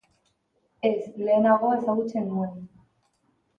Ez, lehenago ezagutzen nuen.